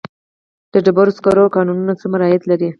د ډبرو سکرو کانونه څومره عاید لري؟